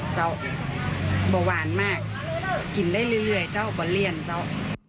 เจ้าเบาหวานมากกินได้เรื่อยเจ้าก็เลี่ยนเจ้า